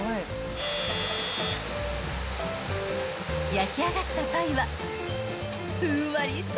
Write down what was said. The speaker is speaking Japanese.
［焼き上がったパイはふんわりサックサク］